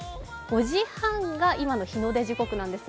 ５時半が今の日の出時刻なんです。